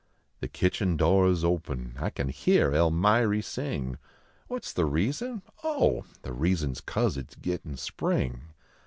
The kitchen door is open ; I can hear Klmiry sing. What s the reason ? Oh, the reason s cause it s gittin spring.